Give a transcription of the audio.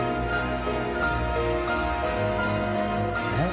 えっ？